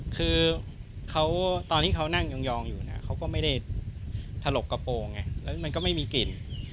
คือตอนที่เขานั่งยองอยู่เนี่ยเขาก็ไม่ได้ถลกกระโปรงไงแล้วมันก็ไม่มีกลิ่น